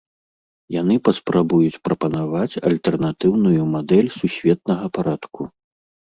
Яны паспрабуюць прапанаваць альтэрнатыўную мадэль сусветнага парадку.